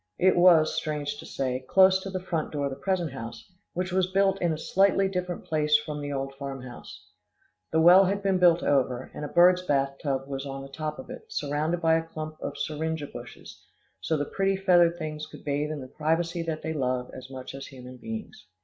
It was, strange to say, close to the front door of the present house, which was built in a slightly different place from the old farm house. The well had been built over, and a bird's bath tub was on the top of it, surrounded by a clump of syringa bushes, so the pretty feathered things could bathe in the privacy that they love as much as human beings.